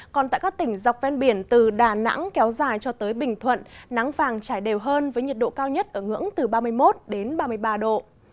còn tại các tỉnh dọc ven biển từ đà nẵng kéo dài cho tới bình thuận nắng vàng trải đều hơn với nhiệt độ cao nhất ở ngưỡng từ ba mươi một đến ba mươi ba độ